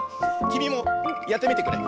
きみもやってみてくれ！